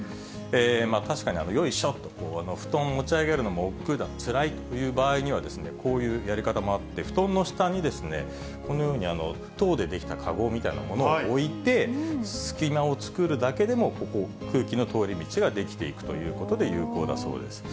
確かによいしょと布団持ち上げるのもおっくうだ、つらいという場合には、こういうやり方もあって、布団の下に、このように籐で出来た籠みたいなものを置いて、隙間を作るだけでも、ここに空気の通り道が出来ていくということで有効だそうです。